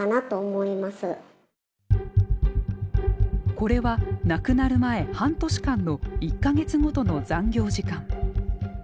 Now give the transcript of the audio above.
これは亡くなる前半年間の１か月ごとの残業時間。